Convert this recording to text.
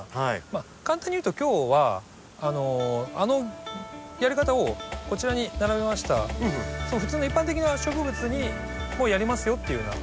簡単に言うと今日はあのやり方をこちらに並べました普通の一般的な植物にもやりますよっていうような応用ですね。